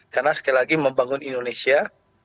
karena sekali lagi membangun indonesia